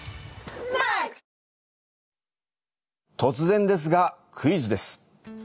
突然ですがクイズです。